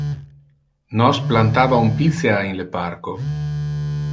Nos plantava un picea in le parco.